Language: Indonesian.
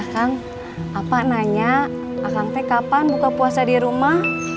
kang apa nanya akang teh kapan buka puasa di rumah